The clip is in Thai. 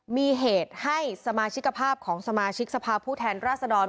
มีเหตุให้สมาชิกภาพของสมาชิกสภาพผู้แทนราษฎร